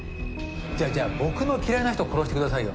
じゃあじゃあ僕の嫌いな人を殺してくださいよ。